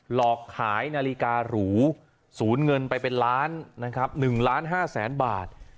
หลอกขายนาฬิการูสูญเงินไปเป็นล้านนะครับ๑ล้าน๕แสนบาท